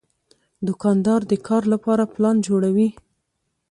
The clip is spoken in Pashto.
دوکاندار د کار لپاره پلان جوړوي.